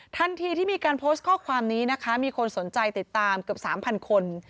ทันทีที่มีการโพสต์ข้อความนี้นะคะมีคนสนใจติดตามเกือบ๓๐๐คน